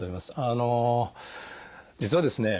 あの実はですね